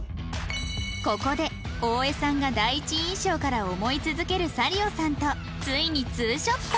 ここで大江さんが第一印象から思い続けるサリオさんとついにツーショット